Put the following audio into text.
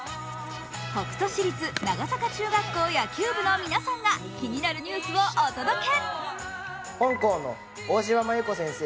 北杜市立長坂中学校野球部の皆さんが気になるニュースをお届け。